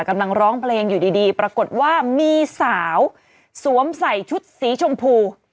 กำลังร้องเพลงอยู่ดีปรากฏว่ามีสาวสวมใส่ชุดสีชมพู